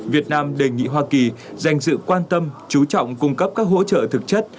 việt nam đề nghị hoa kỳ dành sự quan tâm chú trọng cung cấp các hỗ trợ thực chất